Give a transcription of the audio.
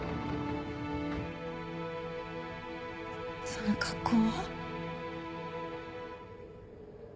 その格好は？